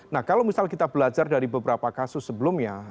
nah kalau misal kita belajar dari beberapa kasus sebelumnya